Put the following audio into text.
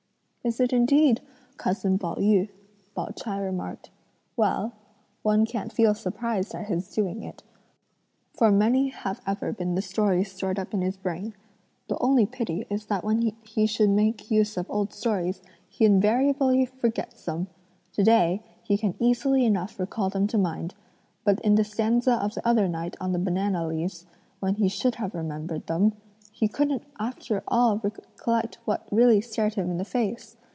"Is it indeed cousin Pao yü?" Pao ch'ai remarked. "Well, one can't feel surprised at his doing it; for many have ever been the stories stored up in his brain. The only pity is that when he should make use of old stories, he invariably forgets them! To day, he can easily enough recall them to mind, but in the stanza of the other night on the banana leaves, when he should have remembered them, he couldn't after all recollect what really stared him in the face!